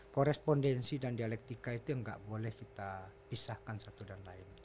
korespondensi dan dialektika itu yang nggak boleh kita pisahkan satu dan lain